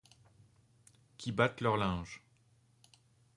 Qui battent leur linge